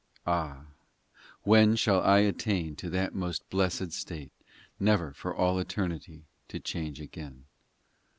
Ah, when shall I attain To that most blessed state, Never for all eternity to change again